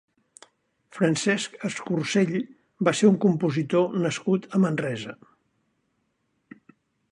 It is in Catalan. Francesc Escorsell va ser un compositor nascut a Manresa.